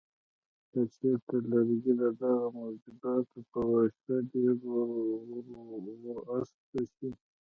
که چېرته لرګي د دغه موجوداتو په واسطه ډېر وراسته شي.